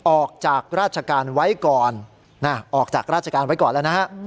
ออกจากราชการไว้ก่อนออกจากราชการไว้ก่อนแล้วนะฮะ